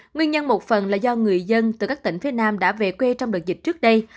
nguyên nhân một phần là do người dân từ các tỉnh phía nam đã về quê trong đợt dịch trước đây